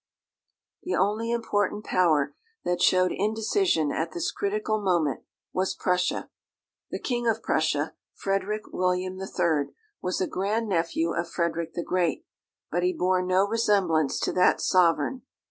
The only important Power that showed indecision at this critical moment was Prussia. The King of Prussia, Frederick William III, was a grand nephew of Frederick the Great; but he bore no resemblance to that sovereign.